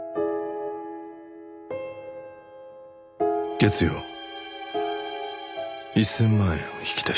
月曜１０００万円を引き出した日